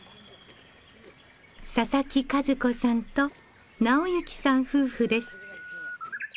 佐々木和子さんと直行さん夫婦です。